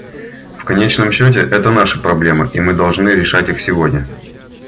В конечном счете, это наши проблемы и мы должны решать их сегодня.